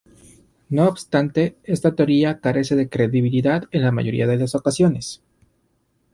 No obstante, esta teoría carece de credibilidad en la mayoría de las ocasiones.